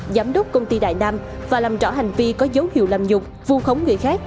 giám đốc công ty đại nam và làm rõ hành vi có dấu hiệu làm nhục vu khống người khác